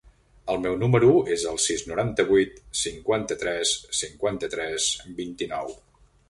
El meu número es el sis, noranta-vuit, cinquanta-tres, cinquanta-tres, vint-i-nou.